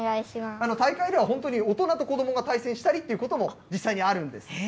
大会では本当に大人と子どもが対戦したりということも実際にあるんです。